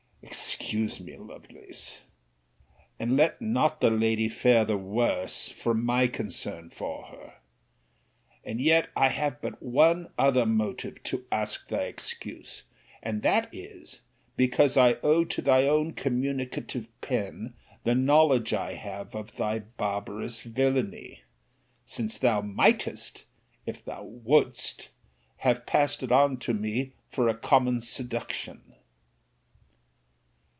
Excuse me, Lovelace; and let not the lady fare the worse for my concern for her. And yet I have but one other motive to ask thy excuse; and that is, because I owe to thy own communicative pen the knowledge I have of thy barbarous villany, since thou mightest, if thou wouldst, have passed it upon me for a common seduction.